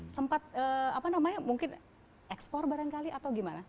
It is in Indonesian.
sempat apa namanya mungkin ekspor barangkali atau gimana